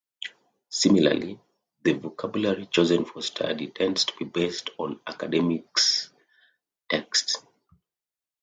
Similarly, the vocabulary chosen for study tends to be based on academic texts.